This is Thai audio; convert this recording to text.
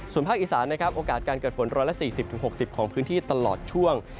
ส่วนภาคอีสานนะครับโอกาสการเกิดฝน๑๔๐๖๐ของพื้นที่ตลอดช่วง